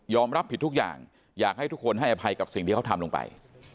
รับผิดทุกอย่างอยากให้ทุกคนให้อภัยกับสิ่งที่เขาทำลงไป